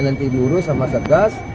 nanti diurus sama sergas